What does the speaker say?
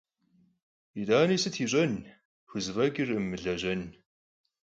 Yit'ani, sıt yiş'en, xuzef'e ç'ırkhım mılejen.